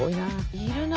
いるな。